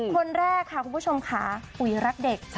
คนแรกค่ะคุณผู้ชมค่ะปุ๋ยรักเด็ก